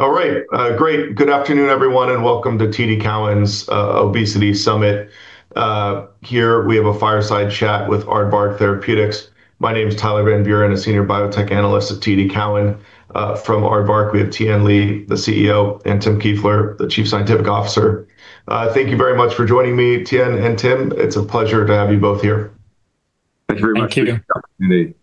All right. Great. Good afternoon, everyone, and welcome to TD Cowen's Obesity Summit. Here, we have a fireside chat with Aardvark Therapeutics. My name is Tyler Van Buren, a senior biotech analyst at TD Cowen. From Aardvark, we have Tien Lee, the CEO, and Tim Kieffer, the Chief Scientific Officer. Thank you very much for joining me, Tien and Tim. It's a pleasure to have you both here. Thank you very much. Thank you.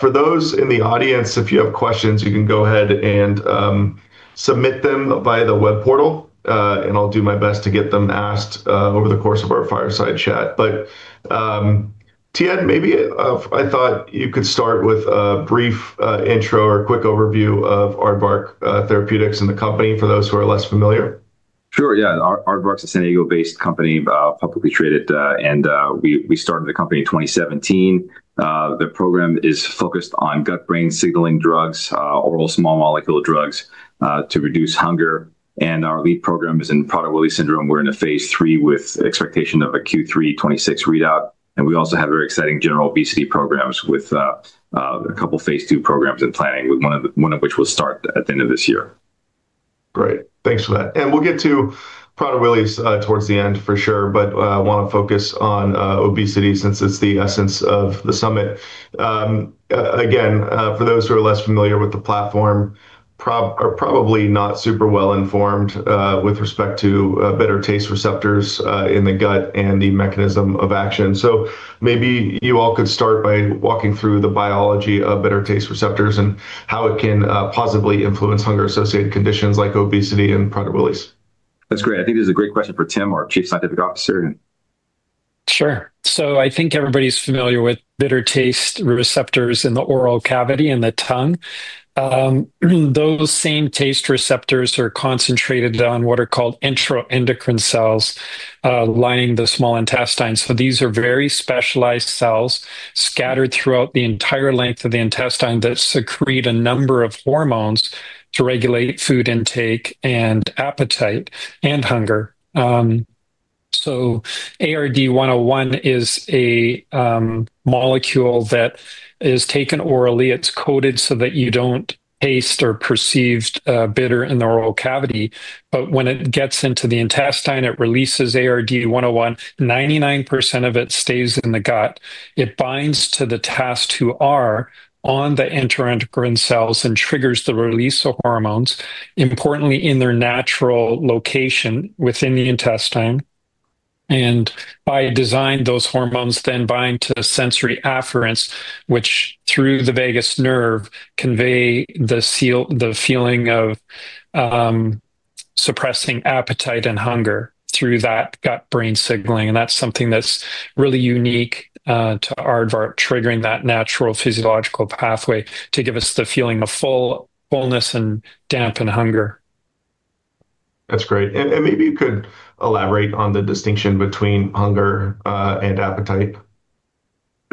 For those in the audience, if you have questions, you can go ahead and submit them via the web portal, and I'll do my best to get them asked over the course of our fireside chat. Tien, maybe I thought you could start with a brief intro or quick overview of Aardvark Therapeutics and the company for those who are less familiar. Sure. Yeah. Aardvark is a San Diego-based company, publicly traded, and we started the company in 2017. The program is focused on gut-brain signaling drugs, oral small molecule drugs to reduce hunger. Our lead program is in Prader-Willi syndrome. We're in a phase III with expectation of a Q3 2026 readout. We also have very exciting general obesity programs with a couple of phase II programs in planning, one of which will start at the end of this year. Great. Thanks for that. We'll get to Prader-Willi's towards the end, for sure, but I want to focus on obesity since it's the essence of the summit. Again, for those who are less familiar with the platform, probably not super well informed with respect to beta taste receptors in the gut and the mechanism of action. Maybe you all could start by walking through the biology of beta taste receptors and how it can positively influence hunger-associated conditions like obesity and Prader-Willi's. That's great. I think this is a great question for Tim, our Chief Scientific Officer. Sure. I think everybody's familiar with beta taste receptors in the oral cavity and the tongue. Those same taste receptors are concentrated on what are called enteroendocrine cells lining the small intestine. These are very specialized cells scattered throughout the entire length of the intestine that secrete a number of hormones to regulate food intake and appetite and hunger. ARD-101 is a molecule that is taken orally. It's coated so that you don't taste or perceive bitter in the oral cavity. When it gets into the intestine, it releases ARD-101. 99% of it stays in the gut. It binds to the TAS2R on the enteroendocrine cells and triggers the release of hormones, importantly in their natural location within the intestine. By design, those hormones then bind to sensory afferents, which through the vagus nerve convey the feeling of suppressing appetite and hunger through that gut-brain signaling. That is something that is really unique to Aardvark, triggering that natural physiological pathway to give us the feeling of fullness and dampen hunger. That's great. Maybe you could elaborate on the distinction between hunger and appetite.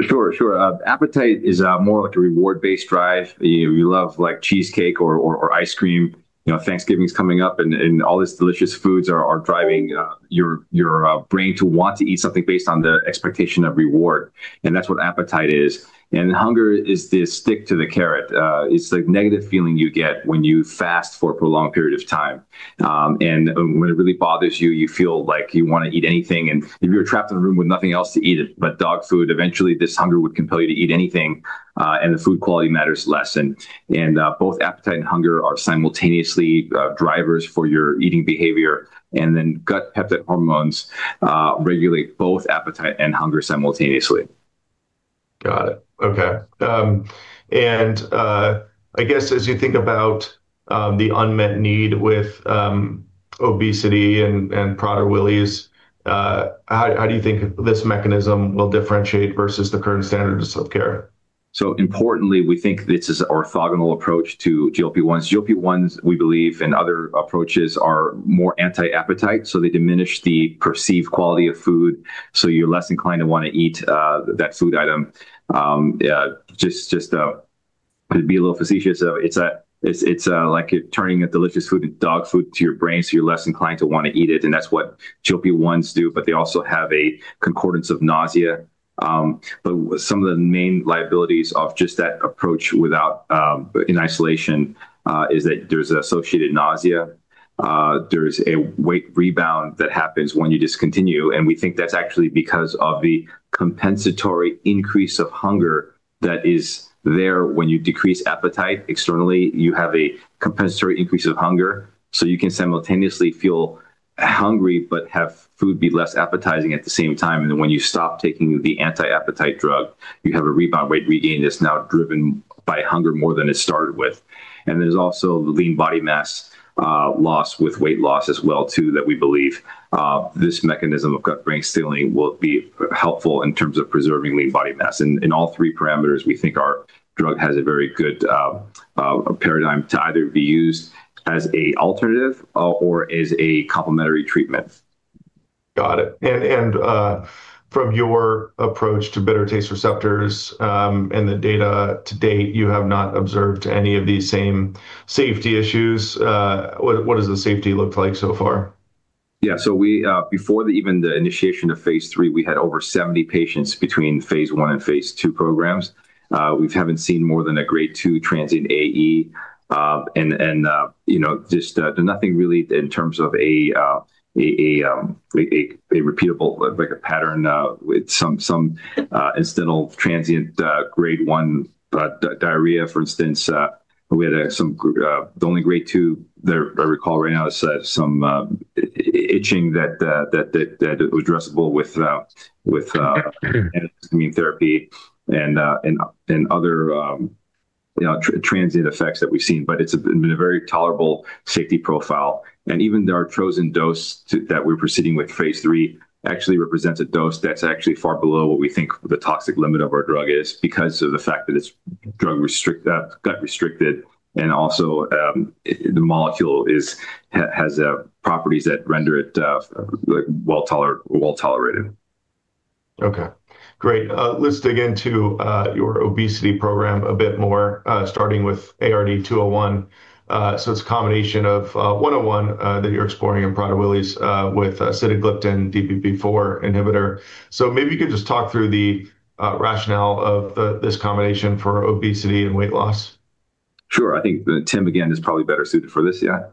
Sure, sure. Appetite is more like a reward-based drive. You love cheesecake or ice cream. Thanksgiving's coming up, and all these delicious foods are driving your brain to want to eat something based on the expectation of reward. That's what appetite is. Hunger is the stick to the carrot. It's the negative feeling you get when you fast for a prolonged period of time. When it really bothers you, you feel like you want to eat anything. If you're trapped in a room with nothing else to eat but dog food, eventually this hunger would compel you to eat anything, and the food quality matters less. Both appetite and hunger are simultaneously drivers for your eating behavior. Gut peptide hormones regulate both appetite and hunger simultaneously. Got it. Okay. I guess as you think about the unmet need with obesity and Prader-Willi's, how do you think this mechanism will differentiate versus the current standards of care? Importantly, we think this is an orthogonal approach to GLP-1s. GLP-1s, we believe, and other approaches are more anti-appetite, so they diminish the perceived quality of food. You are less inclined to want to eat that food item. Just to be a little facetious, it is like turning a delicious food, dog food, to your brain, so you are less inclined to want to eat it. That is what GLP-1s do, but they also have a concordance of nausea. Some of the main liabilities of just that approach in isolation is that there is associated nausea. There is a weight rebound that happens when you discontinue. We think that is actually because of the compensatory increase of hunger that is there when you decrease appetite externally. You have a compensatory increase of hunger, so you can simultaneously feel hungry but have food be less appetizing at the same time. When you stop taking the anti-appetite drug, you have a rebound rate regain that's now driven by hunger more than it started with. There's also lean body mass loss with weight loss as well, too, that we believe this mechanism of gut-brain signaling will be helpful in terms of preserving lean body mass. In all three parameters, we think our drug has a very good paradigm to either be used as an alternative or as a complementary treatment. Got it. From your approach to beta taste receptors and the data to date, you have not observed any of these same safety issues. What does the safety look like so far? Yeah. Before even the initiation of phase III, we had over 70 patients between phase I and phase II programs. We have not seen more than a grade two transient AE. There has been nothing really in terms of a repeatable pattern, with some incidental transient grade one diarrhea, for instance. We had some only grade two, I recall right now, some itching that was addressable with immune therapy and other transient effects that we have seen. It has been a very tolerable safety profile. Even our chosen dose that we are proceeding with for phase III actually represents a dose that is far below what we think the toxic limit of our drug is because of the fact that it is gut-restricted. Also, the molecule has properties that render it well tolerated. Okay. Great. Let's dig into your obesity program a bit more, starting with ARD-201. It is a combination of 101 that you're exploring in Prader-Willi's with acetagliptin DPP-4 inhibitor. Maybe you could just talk through the rationale of this combination for obesity and weight loss. Sure. I think Tim, again, is probably better suited for this. Yeah.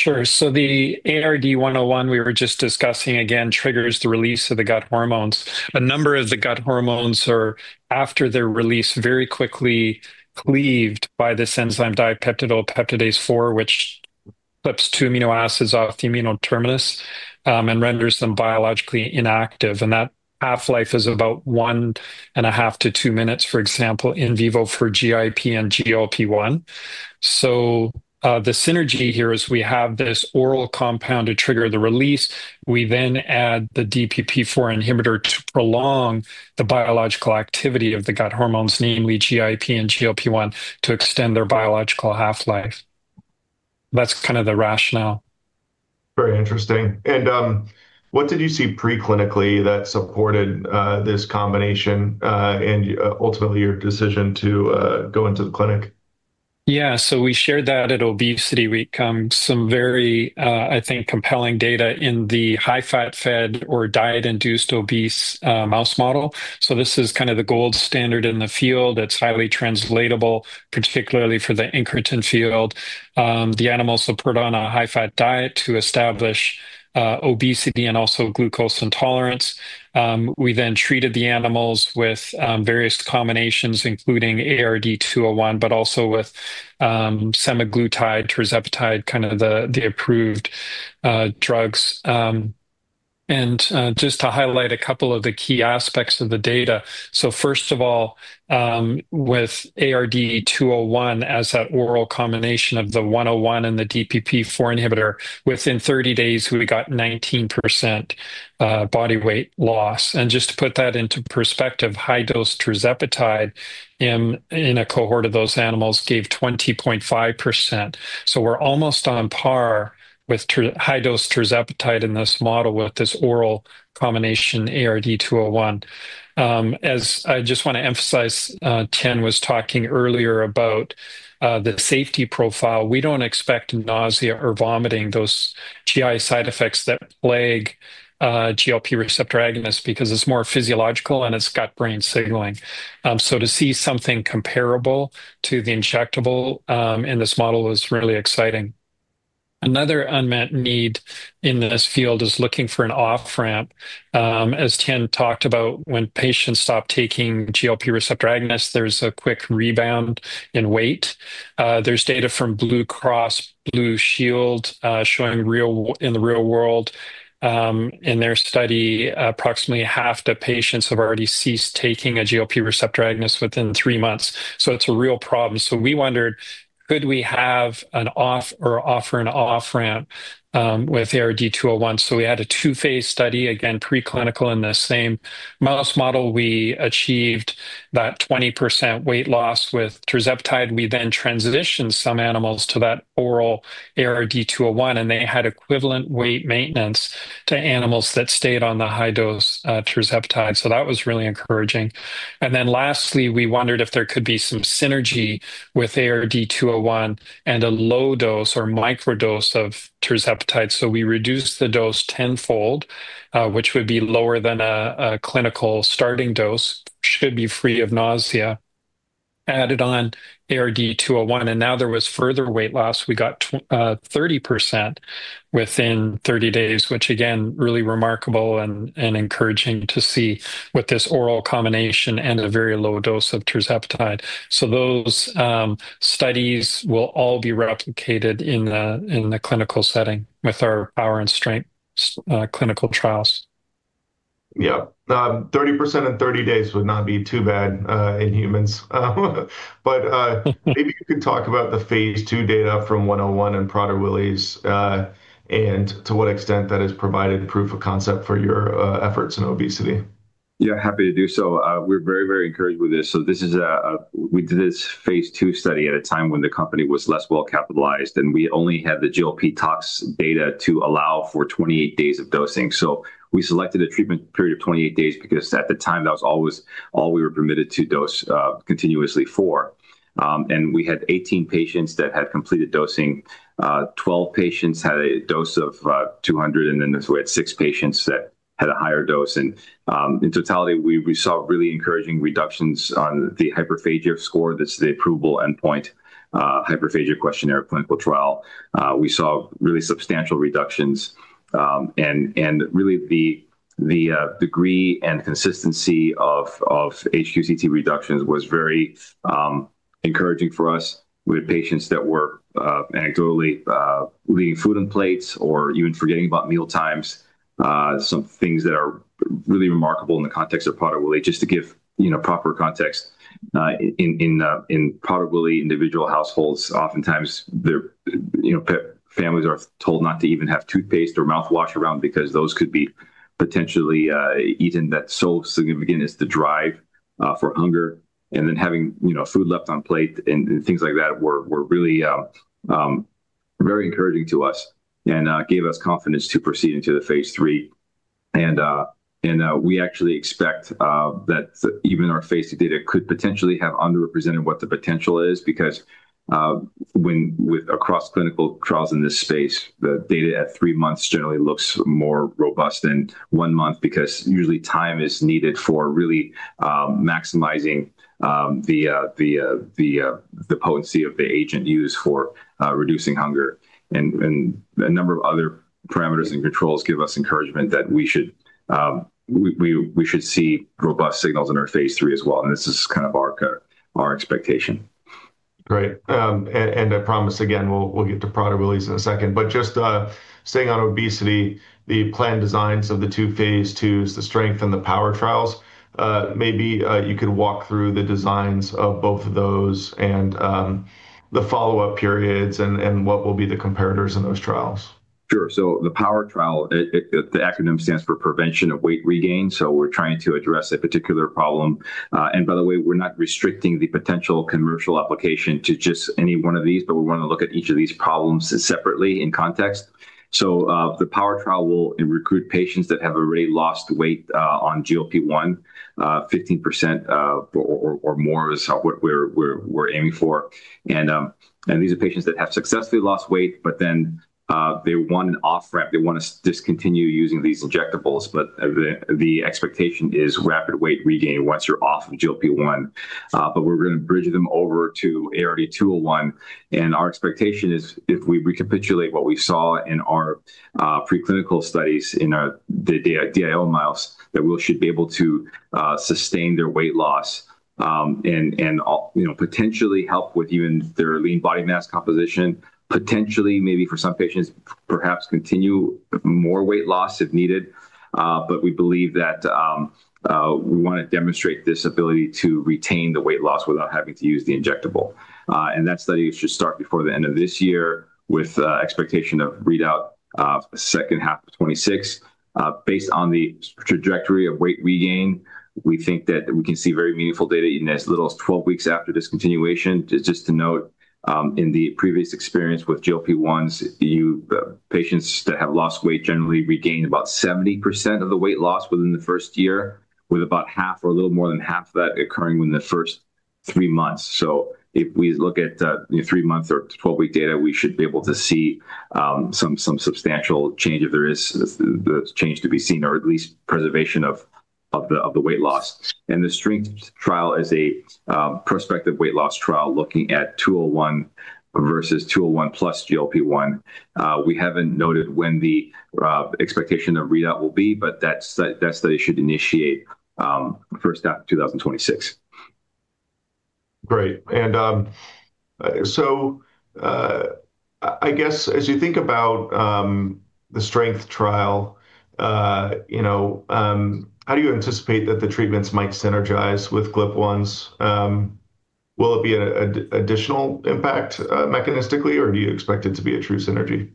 Sure. The ARD-101 we were just discussing, again, triggers the release of the gut hormones. A number of the gut hormones are, after their release, very quickly cleaved by this enzyme dipeptidyl peptidase 4, which clips two amino acids off the amino terminus and renders them biologically inactive. That half-life is about one and a half to two minutes, for example, in vivo for GIP and GLP-1. The synergy here is we have this oral compound to trigger the release. We then add the DPP-4 inhibitor to prolong the biological activity of the gut hormones, namely GIP and GLP-1, to extend their biological half-life. That's kind of the rationale. Very interesting. What did you see preclinically that supported this combination and ultimately your decision to go into the clinic? Yeah. We shared that at Obesity Week, some very, I think, compelling data in the high-fat fed or diet-induced obese mouse model. This is kind of the gold standard in the field. It is highly translatable, particularly for the incretin field. The animals were put on a high-fat diet to establish obesity and also glucose intolerance. We then treated the animals with various combinations, including ARD-201, but also with semaglutide/tirzepatide, kind of the approved drugs. Just to highlight a couple of the key aspects of the data. First of all, with ARD-201 as that oral combination of the 101 and the DPP-4 inhibitor, within 30 days, we got 19% body weight loss. Just to put that into perspective, high-dose tirzepatide in a cohort of those animals gave 20.5%. We are almost on par with high-dose tirzepatide in this model with this oral combination ARD-201. As I just want to emphasize, Tien was talking earlier about the safety profile. We don't expect nausea or vomiting, those GI side effects that plague GLP-1 receptor agonists because it's more physiological and it's gut-brain signaling. To see something comparable to the injectable in this model was really exciting. Another unmet need in this field is looking for an off-ramp. As Tien talked about, when patients stop taking GLP-1 receptor agonists, there's a quick rebound in weight. There's data from Blue Cross Blue Shield showing in the real world. In their study, approximately half the patients have already ceased taking a GLP-1 receptor agonist within three months. It's a real problem. We wondered, could we have an off or offer an off-ramp with ARD-201? We had a two-phase study, again, preclinical in the same mouse model. We achieved that 20% weight loss with tirzepatide. We then transitioned some animals to that oral ARD-201, and they had equivalent weight maintenance to animals that stayed on the high-dose tirzepatide. That was really encouraging. Lastly, we wondered if there could be some synergy with ARD-201 and a low dose or micro-dose of tirzepatide. We reduced the dose tenfold, which would be lower than a clinical starting dose, should be free of nausea, added on ARD-201. Now there was further weight loss. We got 30% within 30 days, which, again, really remarkable and encouraging to see with this oral combination and a very low dose of tirzepatide. Those studies will all be replicated in the clinical setting with our POWER and STRENGTH clinical trials. Yeah. 30% in 30 days would not be too bad in humans. Maybe you could talk about the phase II data from 101 in Prader-Willi's and to what extent that has provided proof of concept for your efforts in obesity. Yeah, happy to do so. We're very, very encouraged with this. We did this phase II study at a time when the company was less well capitalized, and we only had the GLP tox data to allow for 28 days of dosing. We selected a treatment period of 28 days because at the time, that was all we were permitted to dose continuously for. We had 18 patients that had completed dosing. Twelve patients had a dose of 200, and then we had six patients that had a higher dose. In totality, we saw really encouraging reductions on the hyperphagia score, that's the approval endpoint Hyperphagia Questionnaire for Clinical Trials. We saw really substantial reductions. Really, the degree and consistency of HQCT reductions was very encouraging for us with patients that were anecdotally leaving food on plates or even forgetting about mealtimes. Some things that are really remarkable in the context of Prader-Willi, just to give proper context. In Prader-Willi individual households, oftentimes families are told not to even have toothpaste or mouthwash around because those could be potentially eaten, that's so significant as the drive for hunger. Having food left on plate and things like that were really very encouraging to us and gave us confidence to proceed into the phase III. We actually expect that even our phase III data could potentially have underrepresented what the potential is because across clinical trials in this space, the data at three months generally looks more robust than one month because usually time is needed for really maximizing the potency of the agent used for reducing hunger. A number of other parameters and controls give us encouragement that we should see robust signals in our phase III as well. This is kind of our expectation. Great. I promise, again, we'll get to Prader-Willi's in a second. Just staying on obesity, the planned designs of the two Phase twos, the STRENGTH and the POWER trials, maybe you could walk through the designs of both of those and the follow-up periods and what will be the comparators in those trials. Sure. The POWER trial, the acronym stands for prevention of weight regain. We are trying to address a particular problem. By the way, we are not restricting the potential commercial application to just any one of these, but we want to look at each of these problems separately in context. The POWER trial will recruit patients that have already lost weight on GLP-1. 15% or more is what we are aiming for. These are patients that have successfully lost weight, but they want an off-ramp. They want to discontinue using these injectables, but the expectation is rapid weight regain once you are off of GLP-1. We are going to bridge them over to ARD-201. Our expectation is if we recapitulate what we saw in our preclinical studies in the DIO mouse, that we should be able to sustain their weight loss and potentially help with even their lean body mass composition, potentially maybe for some patients, perhaps continue more weight loss if needed. We believe that we want to demonstrate this ability to retain the weight loss without having to use the injectable. That study should start before the end of this year with expectation of readout second half of 2026. Based on the trajectory of weight regain, we think that we can see very meaningful data even as little as 12 weeks after discontinuation. Just to note, in the previous experience with GLP-1s, patients that have lost weight generally regained about 70% of the weight loss within the first year, with about half or a little more than half of that occurring within the first three months. If we look at three-month or 12-week data, we should be able to see some substantial change if there is change to be seen or at least preservation of the weight loss. The STRENGTH trial is a prospective weight loss trial looking at 201 versus 201 plus GLP-1. We haven't noted when the expectation of readout will be, but that study should initiate first half of 2026. Great. I guess as you think about the STRENGTH trial, how do you anticipate that the treatments might synergize with GLP-1s? Will it be an additional impact mechanistically, or do you expect it to be a true synergy?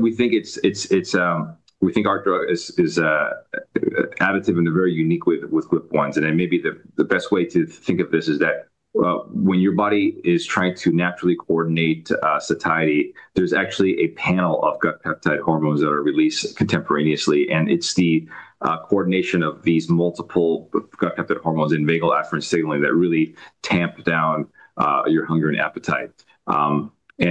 We think our drug is additive in a very unique way with GLP-1s. Maybe the best way to think of this is that when your body is trying to naturally coordinate satiety, there is actually a panel of gut peptide hormones that are released contemporaneously. It is the coordination of these multiple gut peptide hormones and vagal afferent signaling that really tamp down your hunger and appetite. We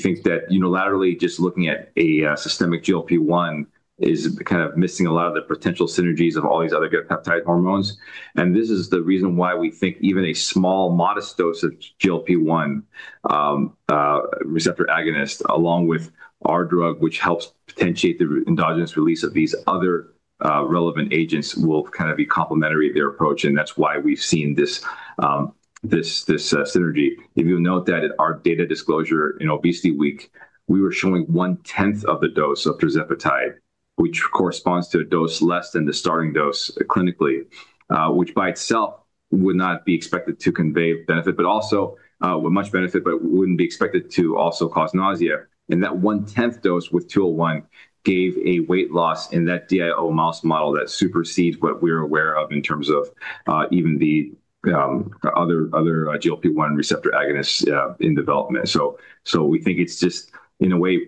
think that unilaterally, just looking at a systemic GLP-1 is kind of missing a lot of the potential synergies of all these other gut peptide hormones. This is the reason why we think even a small, modest dose of GLP-1 receptor agonist, along with our drug, which helps potentiate the endogenous release of these other relevant agents, will kind of be complementary to their approach. That is why we have seen this synergy. If you'll note that in our data disclosure in Obesity Week, we were showing one-tenth of the dose of tirzepatide, which corresponds to a dose less than the starting dose clinically, which by itself would not be expected to convey benefit, but also with much benefit, but wouldn't be expected to also cause nausea. That one-tenth dose with 201 gave a weight loss in that DIO mouse model that supersedes what we're aware of in terms of even the other GLP-1 receptor agonists in development. We think it's just, in a way,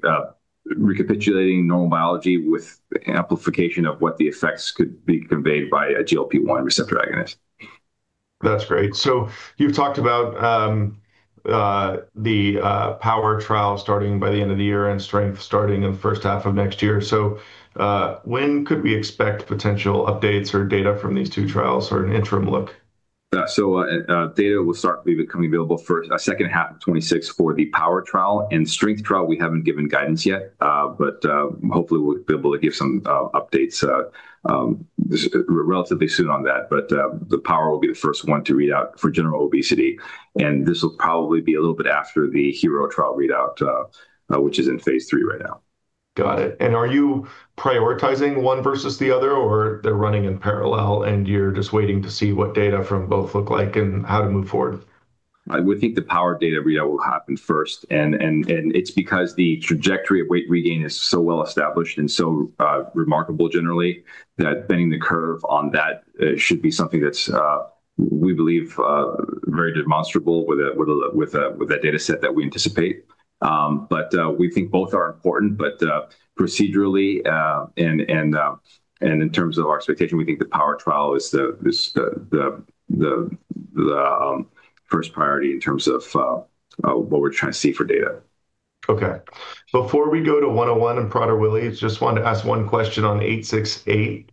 recapitulating normal biology with amplification of what the effects could be conveyed by a GLP-1 receptor agonist. That's great. You have talked about the POWER trial starting by the end of the year and STRENGTH starting in the first half of next year. When could we expect potential updates or data from these two trials or an interim look? Data will start to be becoming available for second half of 2026 for the POWER trial. And STRENGTH trial, we haven't given guidance yet, but hopefully we'll be able to give some updates relatively soon on that. But the POWER will be the first one to readout for general obesity. And this will probably be a little bit after the HERO trial readout, which is in phase III right now. Got it. Are you prioritizing one versus the other, or they're running in parallel and you're just waiting to see what data from both look like and how to move forward? We think the POWER data readout will happen first. It is because the trajectory of weight regain is so well established and so remarkable generally that bending the curve on that should be something that is, we believe, very demonstrable with the data set that we anticipate. We think both are important, but procedurally and in terms of our expectation, we think the POWER trial is the first priority in terms of what we are trying to see for data. Okay. Before we go to 101 and Prader-Willi, I just wanted to ask one question on 868,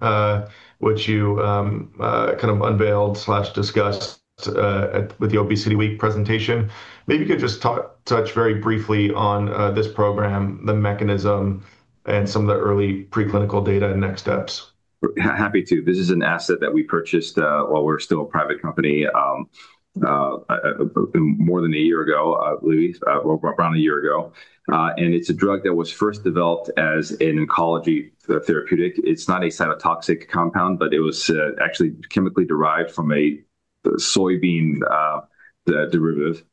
which you kind of unveiled/discussed with the Obesity Week presentation. Maybe you could just touch very briefly on this program, the mechanism, and some of the early preclinical data and next steps. Happy to. This is an asset that we purchased while we were still a private company more than a year ago, at least around a year ago. It is a drug that was first developed as an oncology therapeutic. It is not a cytotoxic compound, but it was actually chemically derived from a soybean derivative.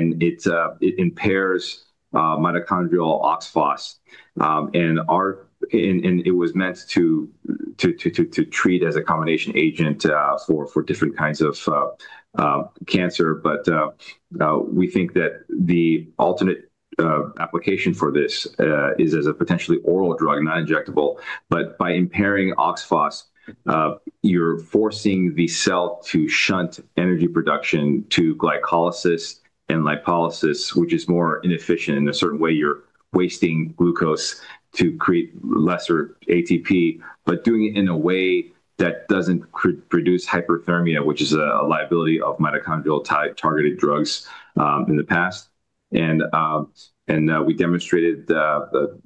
It impairs mitochondrial oxphos. It was meant to treat as a combination agent for different kinds of cancer. We think that the alternate application for this is as a potentially oral drug, not injectable. By impairing oxphos, you are forcing the cell to shunt energy production to glycolysis and lipolysis, which is more inefficient in a certain way. You are wasting glucose to create lesser ATP, but doing it in a way that does not produce hyperthermia, which is a liability of mitochondrial targeted drugs in the past. We demonstrated the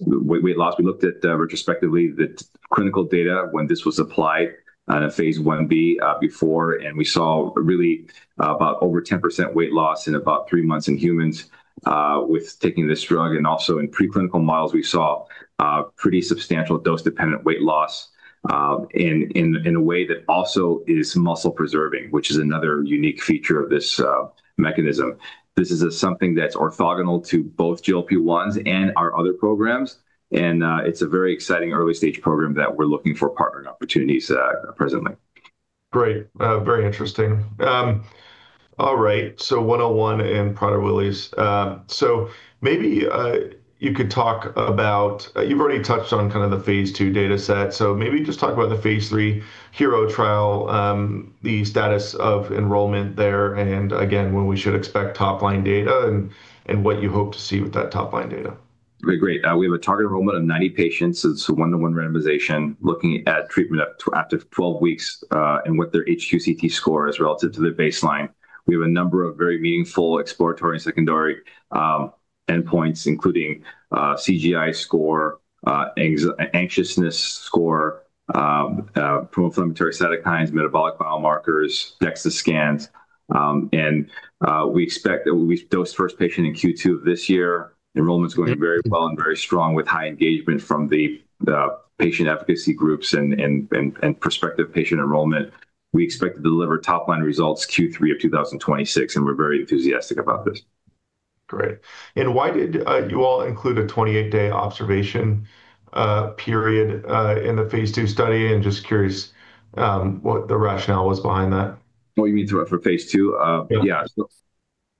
weight loss. We looked at retrospectively the clinical data when this was applied in a phase B before. We saw really about over 10% weight loss in about three months in humans with taking this drug. Also in preclinical models, we saw pretty substantial dose-dependent weight loss in a way that also is muscle-preserving, which is another unique feature of this mechanism. This is something that's orthogonal to both GLP-1s and our other programs. It's a very exciting early-stage program that we're looking for partnering opportunities presently. Great. Very interesting. All right. 101 and Prader-Willi's. Maybe you could talk about, you've already touched on kind of the phase II data set. Maybe just talk about the phase III HERO trial, the status of enrollment there, and again, when we should expect top-line data and what you hope to see with that top-line data. Great. We have a target enrollment of 90 patients. It's a one-to-one randomization looking at treatment after 12 weeks and what their HQCT score is relative to the baseline. We have a number of very meaningful exploratory and secondary endpoints, including CGI score, anxiousness score, pro-inflammatory cytokines, metabolic biomarkers, DEXA scans. We expect that we dosed first patient in Q2 of this year. Enrollment's going very well and very strong with high engagement from the patient advocacy groups and prospective patient enrollment. We expect to deliver top-line results Q3 of 2026, and we're very enthusiastic about this. Great. Why did you all include a 28-day observation period in the phase II study? Just curious what the rationale was behind that. What do you mean for phase II? Yeah.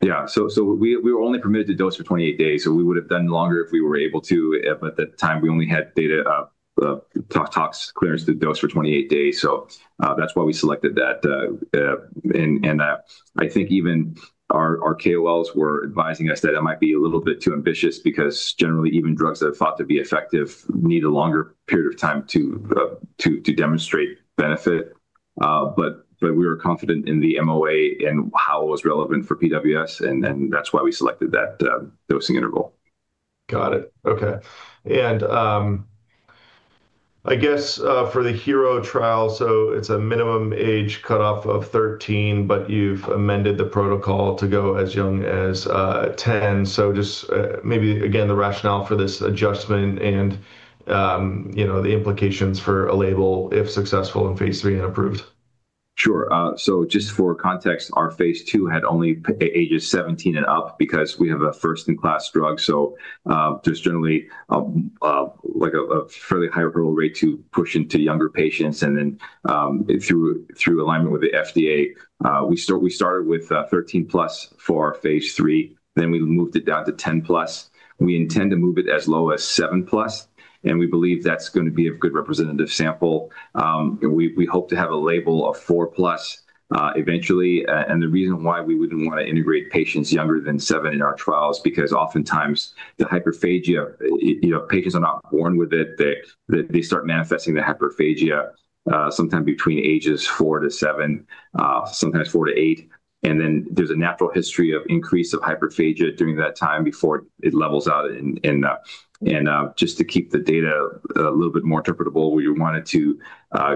Yeah. We were only permitted to dose for 28 days, so we would have done longer if we were able to. At that time, we only had data tox clearance to dose for 28 days. That is why we selected that. I think even our KOLs were advising us that it might be a little bit too ambitious because generally, even drugs that are thought to be effective need a longer period of time to demonstrate benefit. We were confident in the MOA and how it was relevant for PWS, and that is why we selected that dosing interval. Got it. Okay. I guess for the HERO trial, it is a minimum age cutoff of 13, but you have amended the protocol to go as young as 10. Just maybe, again, the rationale for this adjustment and the implications for a label if successful in Phase three and approved. Sure. Just for context, our phase II had only ages 17 and up because we have a first-in-class drug. There is generally a fairly higher role rate to push into younger patients. Through alignment with the FDA, we started with 13 plus for our phase III. We moved it down to 10 plus. We intend to move it as low as seven plus. We believe that is going to be a good representative sample. We hope to have a label of four plus eventually. The reason why we would not want to integrate patients younger than seven in our trials is because oftentimes the hyperphagia, patients are not born with it. They start manifesting the hyperphagia sometime between ages four to eight, sometimes four to eight. There is a natural history of increase of hyperphagia during that time before it levels out. Just to keep the data a little bit more interpretable, we wanted to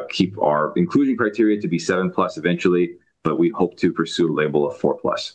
keep our inclusion criteria to be seven plus eventually, but we hope to pursue a label of four plus.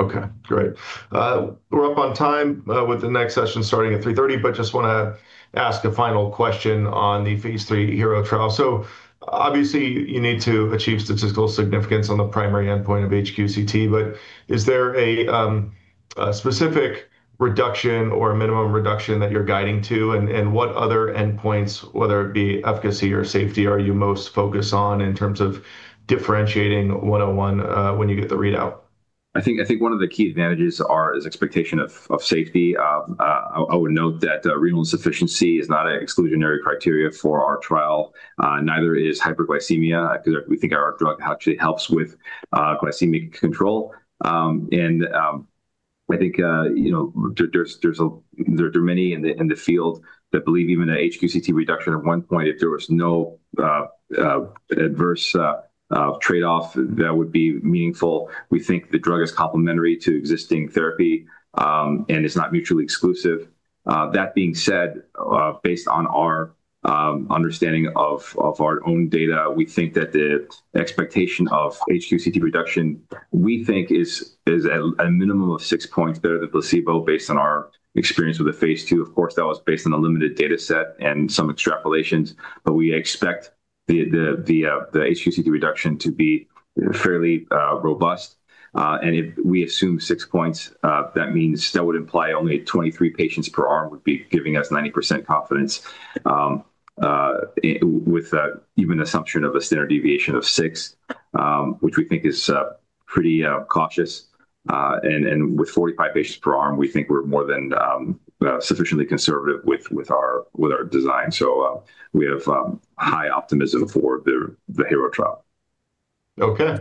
Okay. Great. We're up on time with the next session starting at 3:30 P.M., but just want to ask a final question on the Phase three HERO trial. Obviously, you need to achieve statistical significance on the primary endpoint of HQCT, but is there a specific reduction or minimum reduction that you're guiding to? What other endpoints, whether it be efficacy or safety, are you most focused on in terms of differentiating 101 when you get the readout? I think one of the key advantages is expectation of safety. I would note that renal insufficiency is not an exclusionary criteria for our trial. Neither is hyperglycemia, because we think our drug actually helps with glycemic control. I think there are many in the field that believe even an HQCT reduction at one point, if there was no adverse trade-off, that would be meaningful. We think the drug is complementary to existing therapy and is not mutually exclusive. That being said, based on our understanding of our own data, we think that the expectation of HQCT reduction, we think, is a minimum of six points better than placebo based on our experience with the phase II. Of course, that was based on a limited data set and some extrapolations, but we expect the HQCT reduction to be fairly robust. If we assume six points, that would imply only 23 patients per arm would be giving us 90% confidence with even assumption of a standard deviation of 6, which we think is pretty cautious. With 45 patients per arm, we think we're more than sufficiently conservative with our design. We have high optimism for the HERO trial. Okay.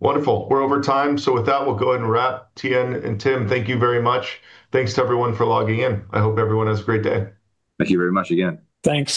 Wonderful. We're over time. With that, we'll go ahead and wrap. Tien and Tim, thank you very much. Thanks to everyone for logging in. I hope everyone has a great day. Thank you very much again. Thanks.